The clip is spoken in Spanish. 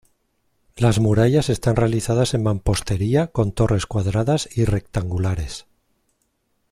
Las murallas están realizadas en mampostería, con torres cuadradas y rectangulares.